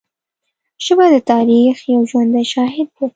ژبه د تاریخ یو ژوندی شاهد دی